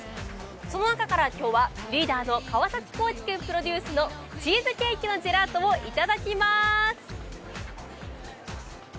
その中から今日はリーダーの川崎皇輝君プロデュースのチーズケーキのジェラートをいただきます。